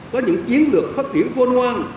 có những chiến lược phát triển khôn hoang